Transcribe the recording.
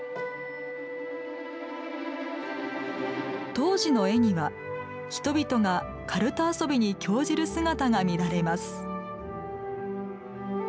当時の絵には人々が、かるた遊びに興じる姿が見られます。